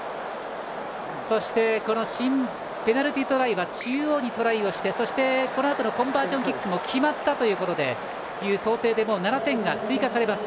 そして、ペナルティートライは中央にトライして、このあとのコンバージョンキックも決まったという想定で７点が追加されます。